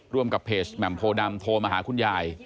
ร่วมกับเพจแหม่มโพดำโทรมาหาคุณยาย